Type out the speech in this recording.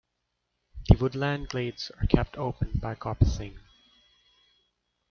The woodland glades are kept open by coppicing.